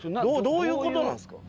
どういう事なんですか？